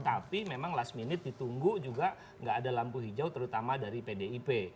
tapi memang last minute ditunggu juga nggak ada lampu hijau terutama dari pdip